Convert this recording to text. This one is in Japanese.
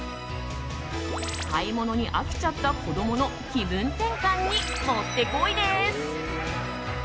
買い物に飽きちゃった子供の気分転換にもってこいです。